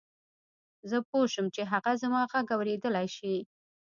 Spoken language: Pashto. زه پوه شوم چې هغه زما غږ اورېدلای شي